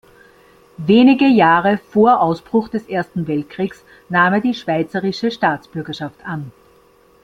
Wenige Jahre vor Ausbruch des Ersten Weltkriegs nahm er die schweizerische Staatsbürgerschaft an.